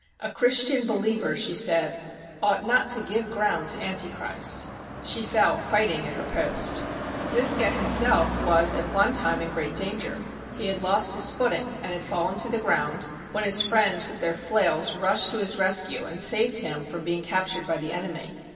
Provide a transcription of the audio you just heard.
"A Christian believer," she said, "ought not to give ground to Antichrist." She fell fighting at her post. Zisca him 278 THE DELIVERANCE OF PRAGUE self was at one time in great danger. He had lost his foot ing and had fallen to the ground, when his friends with their flails rushed to his rescue, and saved him from being captured by the enemy.